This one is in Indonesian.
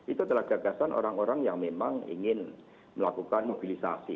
itu adalah gagasan orang orang yang memang ingin melakukan mobilisasi